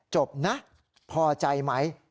จบนะพอใจไหม